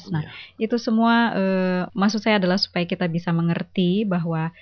nah itu semua maksud saya adalah supaya kita bisa mengerti bahwa